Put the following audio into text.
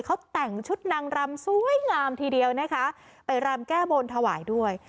เขาแต่งชุดนางรำสวยงามทีเดียวนะคะไปรำแก้บนถวายด้วย